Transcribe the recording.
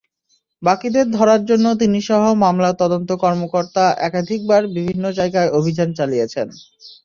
বাকিদের ধরার জন্য তিনিসহ মামলার তদন্ত কর্মকর্তা একাধিকবার বিভিন্ন জায়গায় অভিযান চালিয়েছেন।